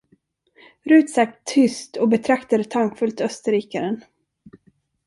Rut satt tyst och betraktade tankfullt österrikaren.